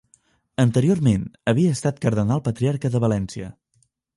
Anteriorment havia estat Cardenal-Patriarca de Venècia.